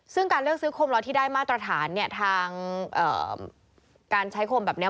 ซึ่งการเลือกซื้อโคมลอยที่ได้มาตรฐานเนี่ยทางการใช้โคมแบบนี้